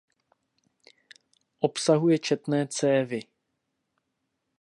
Obsahuje četné cévy.